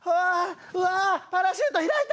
パラシュート開いた！